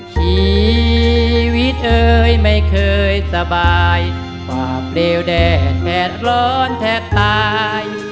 ชีวิตเอ้ยไม่เคยสบายความเร็วแดดแท้ร้อนแท้ตาย